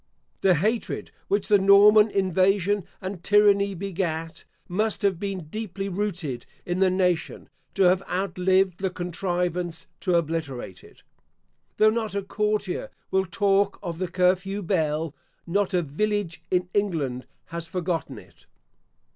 The hatred which the Norman invasion and tyranny begat, must have been deeply rooted in the nation, to have outlived the contrivance to obliterate it. Though not a courtier will talk of the curfew bell, not a village in England has forgotten it.